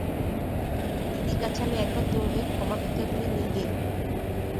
দিদির কাছে আমি একবার তোর হয়ে ক্ষমা ভিক্ষা করে নিই গে।